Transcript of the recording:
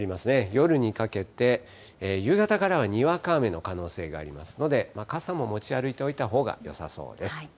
夜にかけて、夕方からはにわか雨の可能性がありますので、傘も持ち歩いておいたほうがよさそうです。